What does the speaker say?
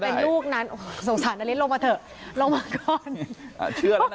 อาจจะเป็นลูกนั้นโอ้โหสงสารนาริสต์ลงมาเถอะลงมาก่อน